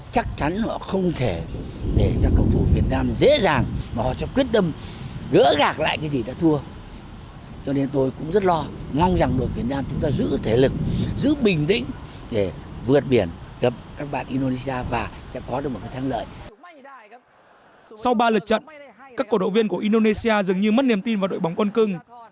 sau ba lượt trận các cổ độ viên của indonesia dường như mất niềm tin vào đội bóng quân cưng